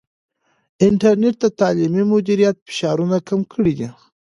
انټرنیټ د تعلیمي مدیریت فشارونه کم کړي دي.